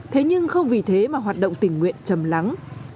thế nhưng không vì thế mà hoạt động tình nguyện chầm lắng